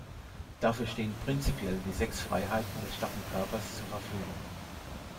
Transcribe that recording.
Dafür stehen prinzipiell die sechs Freiheiten des starren Körpers zur Verfügung.